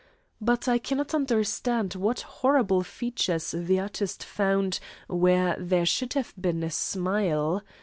But I cannot understand what horrible features the artist found where there should have been a smile.